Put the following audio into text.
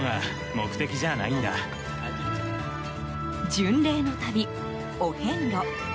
巡礼の旅、お遍路。